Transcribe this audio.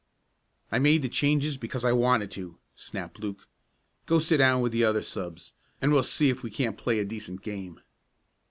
"I made the changes because I wanted to," snapped Luke. "Go sit down with the other subs, and we'll see if we can't play a decent game."